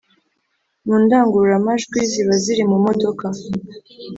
mu ndangururamajwi ziba ziri mu modoka